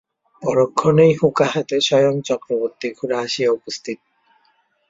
পরক্ষণেই হুঁকা হাতে স্বয়ং চক্রবর্তী-খুড়া আসিয়া উপস্থিত।